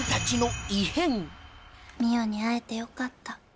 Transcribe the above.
澪に会えてよかった。